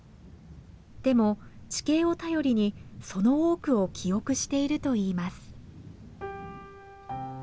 でも地形を頼りにその多くを記憶しているといいます。